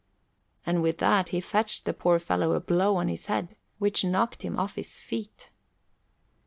And with that, he fetched the poor fellow a blow on his head, which knocked him off his feet.